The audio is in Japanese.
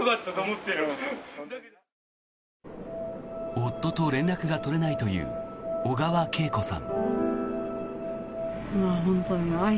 夫と連絡が取れないという小川慶子さん。